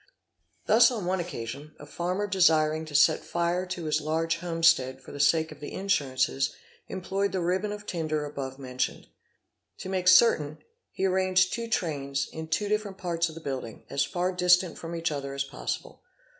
'Thus on one occasion a farmer desiring to set fire to his large homestead for the sake of the insurances, employed the ribbon of tinder above mentioned. To make certain, he arranged two trains in two different parts of the building, as far distant from each other as possible.